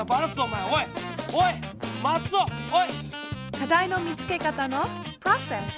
「課題の見つけ方のプロセス」。